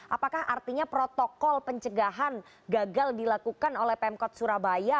apakah artinya protokol pencegahan gagal dilakukan oleh pemkot surabaya